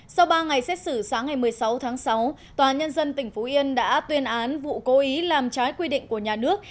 sau ba ngày xét xử sáng ngày một mươi sáu tháng sáu tòa nhân dân tỉnh phú yên đã tuyên án vụ cố ý làm trái quy định của nhà nước